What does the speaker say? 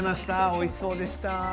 おいしそうでした。